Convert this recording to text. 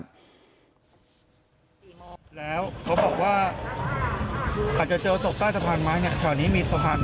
แล้วเขาบอกว่าอาจจะเจอศพใต้สะพานไม้เนี่ยแถวนี้มีสะพาน